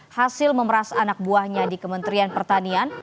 hasil memeras anak buahnya di kementerian pertanian